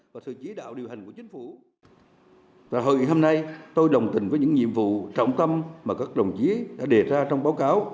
và hội hợp hôm nay tôi đồng tình với những nhiệm vụ trọng tâm mà các đồng chí đã đề ra trong báo cáo